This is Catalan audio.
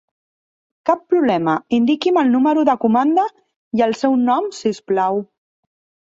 Cap problema, indiqui'm el número de comanda i el seu nom si us plau.